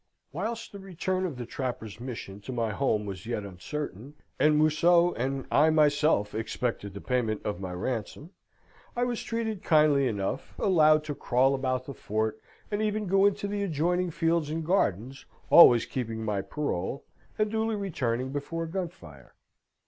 "Whilst the result of the trapper's mission to my home was yet uncertain, and Museau and I myself expected the payment of my ransom, I was treated kindly enough, allowed to crawl about the fort, and even to go into the adjoining fields and gardens, always keeping my parole, and duly returning before gun fire.